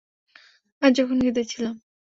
আজ যখন ক্ষেতে ছিলাম।